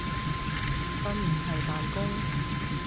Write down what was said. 瞓唔係扮工